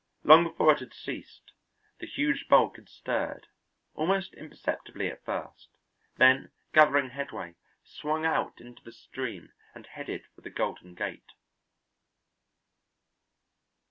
Long before it had ceased, the huge bulk had stirred, almost imperceptibly at first, then, gathering headway, swung out into the stream and headed for the Golden Gate.